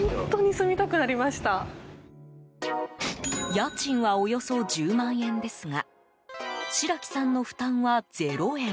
家賃はおよそ１０万円ですが白木さんの負担は０円。